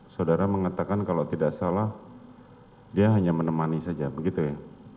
saudara mengatakan kalau tidak salah dia hanya menemani saja begitu ya